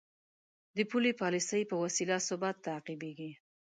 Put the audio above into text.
د پولي پالیسۍ په وسیله ثبات تعقیبېږي.